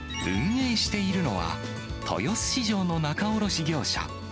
運営しているのは、豊洲市場の仲卸業者。